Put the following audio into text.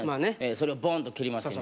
それをボーンと蹴りましてね